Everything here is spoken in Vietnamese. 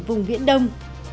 vùng viễn đông